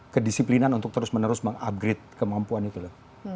kedisiplinan untuk terus menerus upgrade kemampuan itu